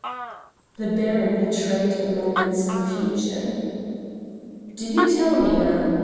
The Baron betrayed a moment's confusion. "Do you tell me, now?"